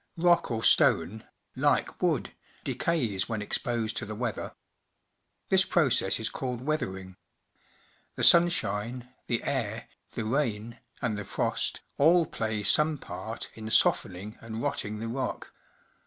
Rock or stone, like wood, decays when exposed to the weather. This process is called weathering. The sunshine, the air, the rain, and the frost, all play some part in softening and rotting the rock.